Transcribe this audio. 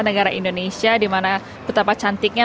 negara indonesia dimana betapa cantiknya